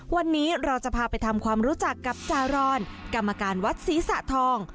วันนี้เราจะพาไปทำความรู้จักกับจารอนกรรมการวัดศรีสะทอง